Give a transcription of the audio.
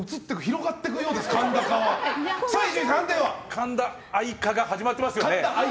神田愛化が始まってますよね。